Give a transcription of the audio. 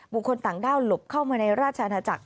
คนต่างด้าวหลบเข้ามาในราชอาณาจักร